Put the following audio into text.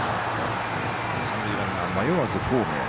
三塁ランナー、迷わずホームへ。